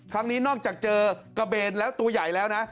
นอกจากนี้นอกจากเจอกระเบนแล้วตัวใหญ่แล้วนะ